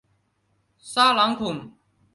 沙朗孔。